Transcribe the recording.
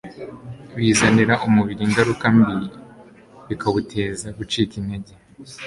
bizanira umubiri ingaruka mbi bikawuteza gucika intege